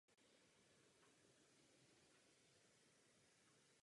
Dochovaly se z ní jen zlomky.